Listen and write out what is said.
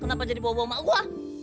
kenapa jadi bobo emak gue